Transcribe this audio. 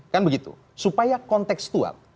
kan begitu supaya kontekstual